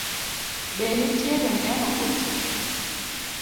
Be nitie joneno koso?